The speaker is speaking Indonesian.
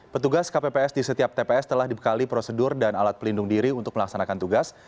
petugas kpps di setiap tps telah dibekali prosedur dan alat pelindung diri untuk melaksanakan tugas